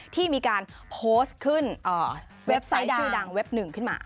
ที่มีการโพสต์ขึ้นเว็บไซต์ชื่อดังเว็บหนึ่งขึ้นมา